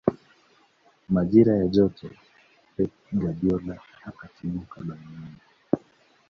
majira ya joto pep guardiola akatimka bayern munich